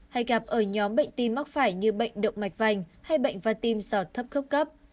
hay gặp ở nhóm bệnh tim mắc phải như bệnh động mạch vành hay bệnh văn tim sọt thấp khốc cấp